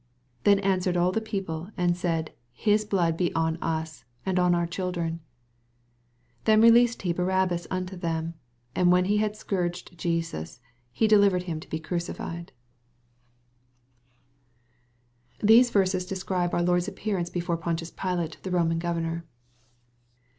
25 Then answered all the people, and said, His blood be on us, and oa our children. 26 Then released he Barabbas unto them : and when he had scoui^ed Je sus, he delivered him to be oruoiftftd MATTHEW, CHAP. XXVU. 385 Thbbs verses describe our Lord's appearance before Pontius Pilate, the Eoman governor.